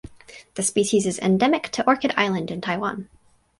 The species is endemic to Orchid Island in Taiwan.